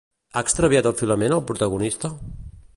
Ha extraviat el filament el protagonista?